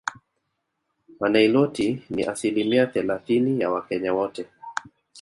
Waniloti ni asilimia thellathini ya Wakenya wote